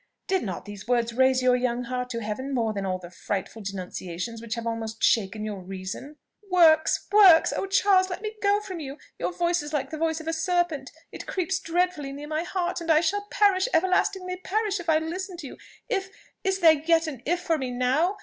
Did not these words raise your young heart to heaven more than all the frightful denunciations which have almost shaken your reason?" "Works! works! Oh, Charles, let me go from you! Your voice is like the voice of a serpent: It creeps dreadfully near my heart, and I shall perish, everlastingly perish, if I listen to you. IF: is there yet an IF for me now?